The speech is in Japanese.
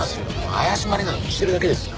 怪しまれないようにしてるだけですよ。